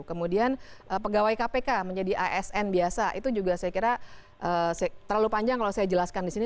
kemudian pegawai kpk menjadi asn biasa itu juga saya kira terlalu panjang kalau saya jelaskan di sini